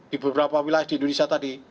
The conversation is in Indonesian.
di beberapa wilayah di indonesia tadi